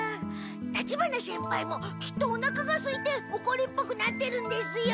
立花先輩もきっとおなかがすいておこりっぽくなってるんですよ。